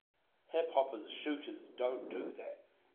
Hip hoppers shooters don't do that.